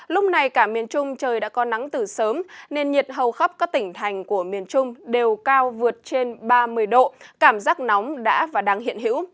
lúc này cả miền trung trời đã có nắng từ sớm nên nhiệt hầu khắp các tỉnh thành của miền trung đều cao vượt trên